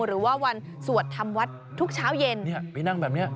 หรือว่าวันสวดธรรมวัตน์ทุกเช้าเย็นแล้วนะครับพี่นั่งแบบนี้